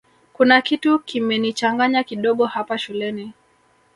kuna kitu kimenichanganya kidogo hapa shuleni